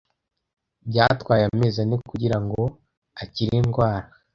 Byatwaye amezi ane kugirango akire indwara.